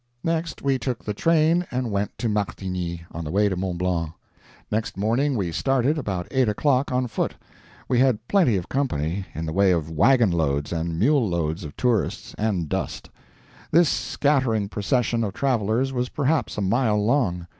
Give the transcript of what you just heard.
Next, we took the train and went to Martigny, on the way to Mont Blanc. Next morning we started, about eight o'clock, on foot. We had plenty of company, in the way of wagon loads and mule loads of tourists and dust. This scattering procession of travelers was perhaps a mile long.